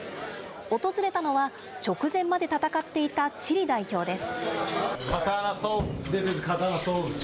訪れたのは直前まで戦っていたチリ代表です。